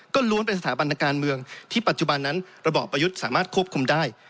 ก็ล้วนเป็นสถาบันการเมืองที่ปัจจุบันนั้นระบอบประยุทธ์สามารถควบคุมได้